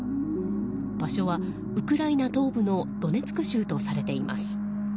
場所はウクライナ東部のドネツク州とされています。